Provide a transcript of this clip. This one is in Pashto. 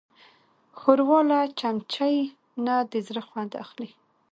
ښوروا له چمچۍ نه د زړه خوند اخلي.